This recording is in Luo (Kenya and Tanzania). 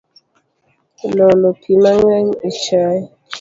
Iolo pii mangeny e chai